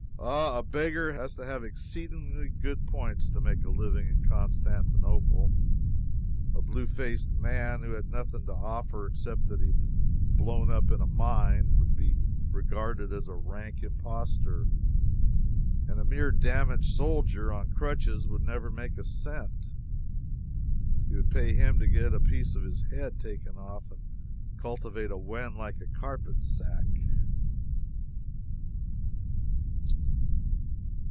Ah, a beggar has to have exceedingly good points to make a living in Constantinople. A blue faced man, who had nothing to offer except that he had been blown up in a mine, would be regarded as a rank impostor, and a mere damaged soldier on crutches would never make a cent. It would pay him to get apiece of his head taken off, and cultivate a wen like a carpet sack.